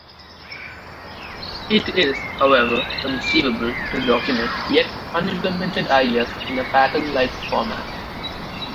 It is, however, conceivable to document yet unimplemented ideas in a pattern-like format.